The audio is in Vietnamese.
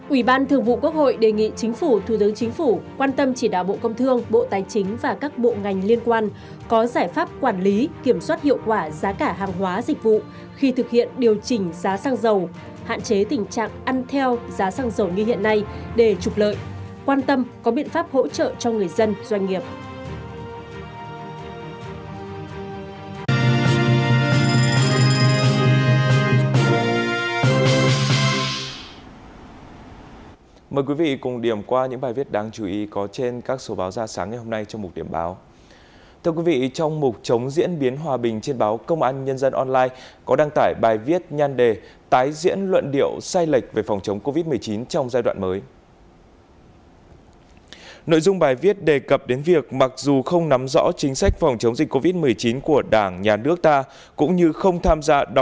ubnd đề nghị chính phủ thủ tướng chính phủ quan tâm chỉ đạo bộ công thương bộ tài chính và các bộ ngành liên quan có giải pháp quản lý kiểm soát hiệu quả giá cả hàng hóa dịch vụ khi thực hiện điều chỉnh giá xăng dầu hạn chế tình trạng ăn theo giá xăng dầu như hiện nay để trục lợi quan tâm có biện pháp hỗ trợ cho người dân doanh nghiệp